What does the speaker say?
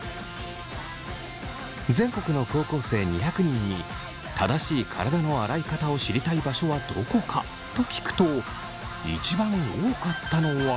全国の高校生２００人に正しい体の洗い方を知りたい場所はどこか？と聞くと一番多かったのは。